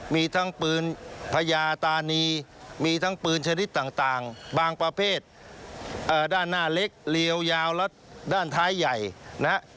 มีทั้งปืนพญาตานีมีทั้งปืนชนิดต่างบางประเภทด้านหน้าเล็กเรียวยาวและด้านท้ายใหญ่นะฮะ